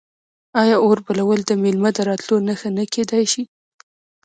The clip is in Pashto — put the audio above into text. آیا اور بلول د میلمه د راتلو نښه نه کیدی شي؟